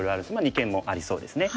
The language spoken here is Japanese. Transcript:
二間もありそうですね。